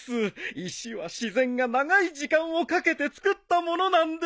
石は自然が長い時間をかけて作った物なんです。